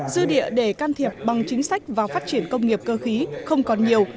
dư địa để can thiệp bằng chính sách vào phát triển công nghiệp cơ khí không còn nhiều